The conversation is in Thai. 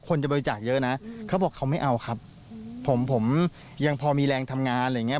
คนจะบริจาคเยอะนะเขาบอกเขาไม่เอาครับผมผมยังพอมีแรงทำงานอะไรอย่างเงี้